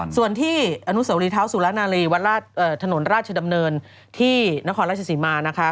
ส่วนที่อนุสวรีเท้าสุรนารีวัดถนนราชดำเนินที่นครราชศรีมานะคะ